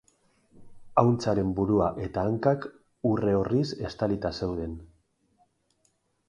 Ahuntzaren burua eta hankak urre orriz estalia zeuden.